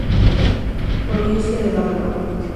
Provincia de La Romana